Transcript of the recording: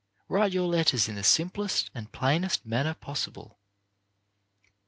Write your letters in the simplest and plainest manner possi ble.